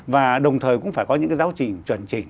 và đồng thời cũng phải có những cái giáo chỉnh chuẩn chỉnh